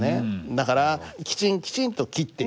だからきちんきちんと切っていく。